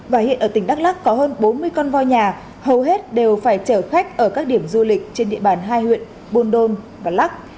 và hiện ở tỉnh đắk lắc có hơn bốn mươi con voi nhà hầu hết đều phải chở khách ở các điểm du lịch trên địa bàn hai huyện buôn đôn và lắc